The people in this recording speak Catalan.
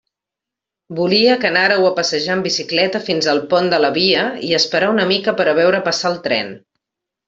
Volia que anàreu a passejar en bicicleta fins al pont de la via i esperar una mica per a veure passar el tren.